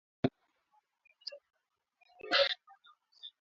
wanyama wanaozidi miaka miwili ambao wameonyesha dalili za ugonjwa huu